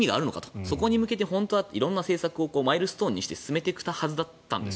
本当はそこに向けて色んな政策をマイルストーンにして進めていくはずだったんです。